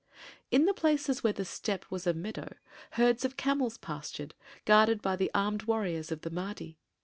In the places where the steppe was a meadow, herds of camels pastured, guarded by the armed warriors of the Mahdi.